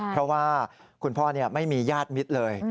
เพราะว่าคุณพ่อไม่มีญาติมิตรเลย